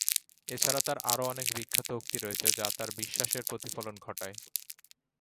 এছাড়া তার আরও অনেক বিখ্যাত উক্তি রয়েছে যা তার বিশ্বাসের প্রতিফলন ঘটায়।